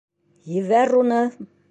Ебәр уны!..